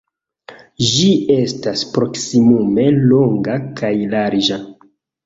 Ĝi estas proksimume longa kaj larĝa.